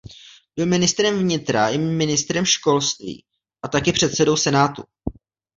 Byl ministrem vnitra i ministrem školství a taky předsedou senátu.